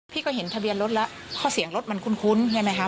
พี่ก็เห็นทะเบียนรถแล้วเพราะเสียงรถมันคุ้นใช่ไหมคะ